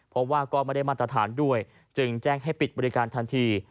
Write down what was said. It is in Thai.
เพราะว่าก็ไม่ได้มาตรฐานด้วยจึงแจ้งให้ปิดบริการทันที